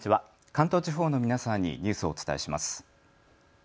関東地方の皆さんにニュースをお伝えします。